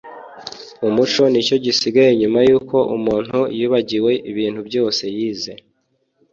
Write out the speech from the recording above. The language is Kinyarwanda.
Umuco nicyo gisigaye nyuma yuko umuntu yibagiwe ibintu byose yize